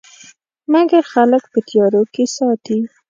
مګر خلک په تیارو کې ساتي.